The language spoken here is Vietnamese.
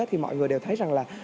thì mọi người đều thấy rằng là